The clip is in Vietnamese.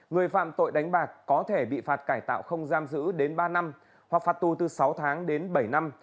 người phạm tội đánh bạc có thể bị phạt cải tạo không giam giữ đến ba năm hoặc phạt tù từ sáu tháng đến bảy năm